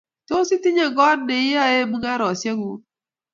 Tos itinye kot neiyoee mungaresiek kuuk?